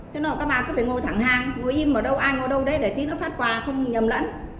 thế nên các bà cứ phải ngồi thẳng hàng ngồi im ở đâu ai ngồi đâu đấy để tí nữa phát quà không nhầm lẫn